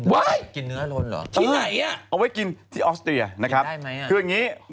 ไว้ที่ไหนอ่ะเอาไว้กินที่ออสเตียนะครับคืออย่างงี้